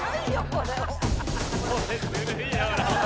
これずるいよな。